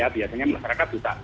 biasanya masyarakat juga